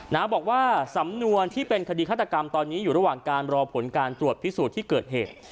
บอกว่าสำนวนที่เป็นคดีฆาตกรรมตอนนี้อยู่ระหว่างการรอผลการตรวจพิสูจน์ที่เกิดเหตุ